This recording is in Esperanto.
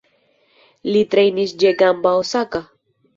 Li trejnis ĉe Gamba Osaka.